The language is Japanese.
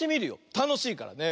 たのしいからね。